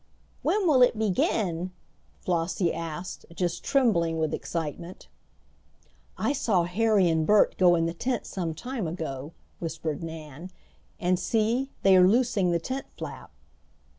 "When will it begin?" Flossie asked, just trembling with excitement. "I saw Harry and Bert go in the tent some time ago," whispered Nan; "and see, they are loosing the tent flap."